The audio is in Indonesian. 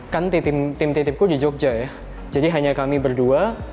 kan tim titipku di jogja ya jadi hanya kami berdua